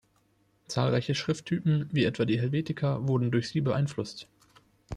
Zahlreiche Schrifttypen wie etwa die Helvetica wurden durch sie beeinflusst.